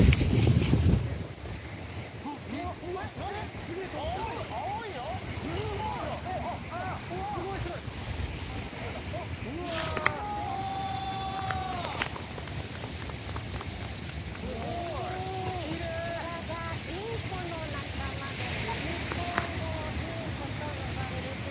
こちらがインコの仲間でルリコンゴウインコと呼ばれる種類の鳥です。